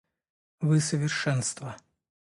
Вы совершенство.